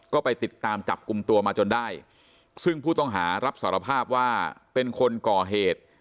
ก็ไปติดตามจับกลุ่มตัวมาจนได้ซึ่งผู้ต้องหารับสารภาพว่าเป็นคนก่อเหตุ